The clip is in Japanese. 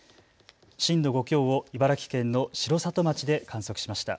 震度５強を茨城県の城里町で観測しました。